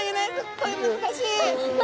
これ難しい！